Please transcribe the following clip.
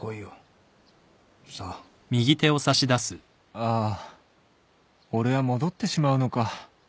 ああ俺は戻ってしまうのか